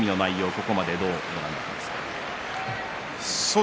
ここまでどうご覧になりますか。